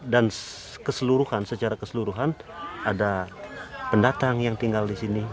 dan keseluruhan secara keseluruhan ada pendatang yang tinggal disini